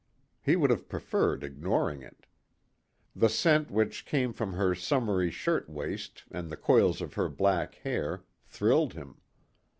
He would have preferred ignoring it. The scent which came from her summery shirt waist and the coils of her black hair, thrilled him.